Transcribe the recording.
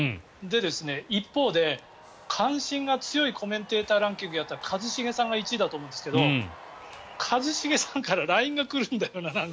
一方で関心が強いコメンテーターランキングやったら一茂さんが１位だと思うんですけど一茂さんからＬＩＮＥが来るんだよね。